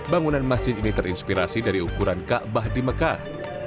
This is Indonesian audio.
bangunan masjid ini terinspirasi dari ukuran kaabah di mekah